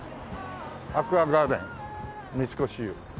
「アクアガーデン三越湯」